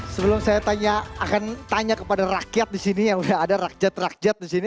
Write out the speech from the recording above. sebelum saya akan tanya kepada rakyat disini yang sudah ada rakyat rakyat disini